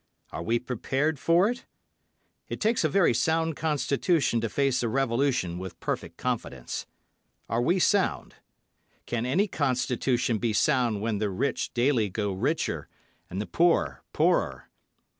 Are we prepared for it? It takes a very sound constitution to face a revolution with perfect confidence. Are we sound? Can any constitution be sound when the rich daily grow richer, and the poor, poorer.